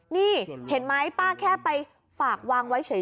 นี่เห็นไหมป้าแค่ไปฝากวางไว้เฉย